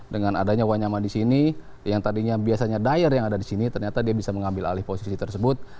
dengan adanya wanyama di sini yang tadinya biasanya dyer yang ada di sini ternyata dia bisa mengambil alih posisi tersebut